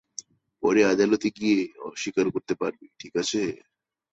পরে আদালতে গিয়ে অস্বীকার করতে পারবি, ঠিক আছে?